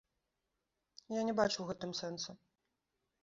Я не бачу ў гэтым сэнса.